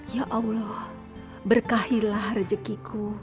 ya allah berkahilah rezekiku